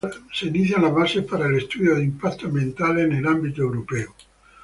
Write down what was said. Se inician las bases para el estudio de impactos ambientales en el ámbito europeo.